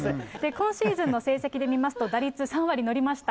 今シーズンの成績で見ますと、打率３割乗りました。